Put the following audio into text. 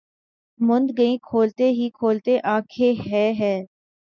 مُند گئیں کھولتے ہی کھولتے آنکھیں ہَے ہَے!